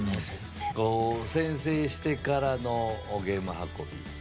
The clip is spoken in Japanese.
先制してからのゲーム運び。